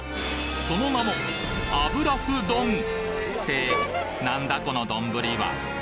その名もってなんだこの丼は！？